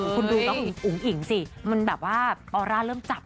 คุณดูน้องอุ๋งอิ๋งสิมันแบบว่าออร่าเริ่มจับ